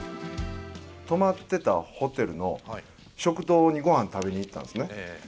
泊まってたホテルの食堂にごはん食べに行ったんですね。